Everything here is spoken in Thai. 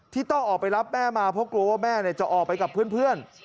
ต้องออกไปรับแม่มาเพราะกลัวว่าแม่จะออกไปกับเพื่อน